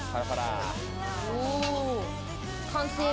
完成。